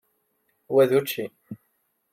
Wa d učči.